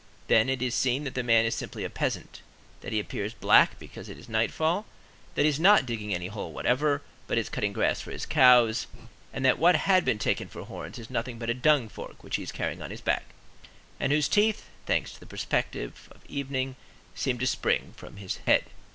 Then it is seen that the man is simply a peasant, that he appears black because it is nightfall; that he is not digging any hole whatever, but is cutting grass for his cows, and that what had been taken for horns is nothing but a dung fork which he is carrying on his back, and whose teeth, thanks to the perspective of evening, seemed to spring from his head.